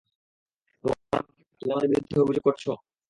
তোমার মাথা খারাপ, তুমি আমাদের বিরুদ্ধে অভিযোগ করছ?